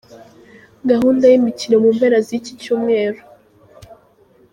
Gahunda y’imikino mu mpera z’iki Cyumweru.